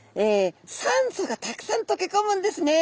酸素がたくさんとけこむんですね。